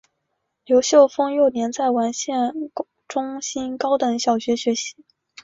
刘秀峰幼年在完县中心高等小学学习。